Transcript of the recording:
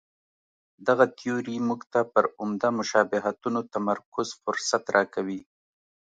دغه تیوري موږ ته پر عمده مشابهتونو تمرکز فرصت راکوي.